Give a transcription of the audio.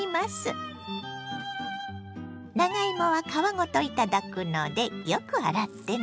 長芋は皮ごと頂くのでよく洗ってね。